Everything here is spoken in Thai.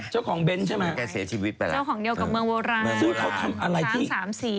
เจ้าของเดียวกับเมืองโบราณ